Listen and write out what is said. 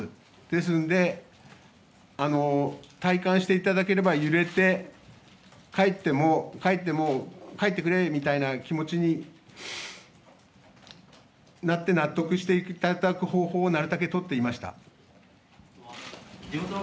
ですので体感していただければ揺れて帰っても、帰ってくれみたいな気持ちになって納得していただく方法をなるべく取っていました。